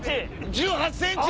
１８ｃｍ！